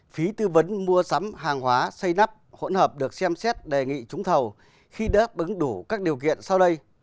phí tư vấn mua sắm hàng hóa xây đắp hỗn hợp được xem xét đề nghị trúng thầu khi đáp ứng đủ các điều kiện sau đây